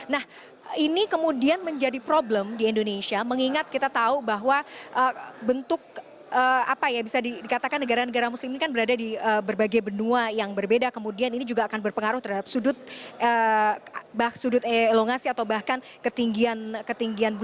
nah ini kemudian menjadi problem di indonesia mengingat kita tahu bahwa bentuk apa ya bisa dikatakan negara negara muslim ini kan berada di berbagai benua yang berbeda kemudian ini juga akan berpengaruh terhadap sudut elongasi atau bahkan ketinggian